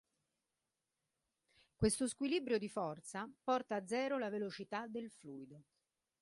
Questo squilibrio di forza porta a zero la velocità del fluido.